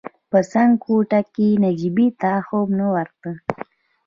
په څنګ کوټې کې نجيبې ته خوب نه ورته.